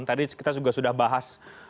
tadi kita sudah bahas